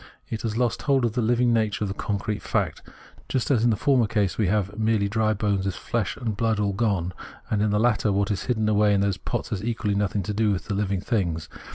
It has lost hold of the hving nature of concrete fact ; just as in the former case we have merely dry bones with flesh and blood all gone, and in the latter, what is hidden away in those pots has equally nothmg to do with hving things.